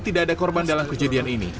tidak ada korban dalam kejadian ini